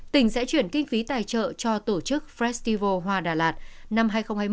tỉnh sẽ chuyển kinh phí tài trợ cho tổ chức festival hoa đà lạt năm hai nghìn hai mươi